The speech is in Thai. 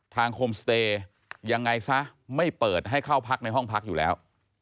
โฮมสเตย์ยังไงซะไม่เปิดให้เข้าพักในห้องพักอยู่แล้ว